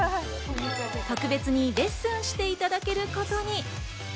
特別にレッスンしていただけることに。